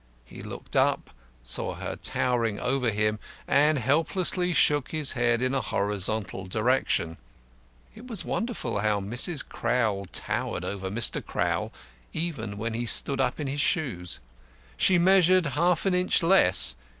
He looked up, saw her towering over him, and helplessly shook his head in a horizontal direction. It was wonderful how Mrs. Crowl towered over Mr. Crowl, even when he stood up in his shoes. She measured half an inch less.